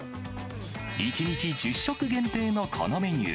１日１０食限定のこのメニュー。